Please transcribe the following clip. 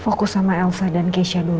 fokus sama elsa dan keisha dulu